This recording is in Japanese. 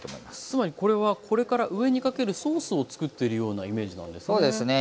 つまりこれはこれから上にかけるソースを作ってるようなイメージなんですね。